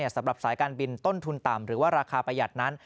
สำหรับสายการบินต้นทุนต่ำหรือว่าราคาประหยัดนั้น